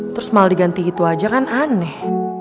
terus malah diganti gitu aja kan aneh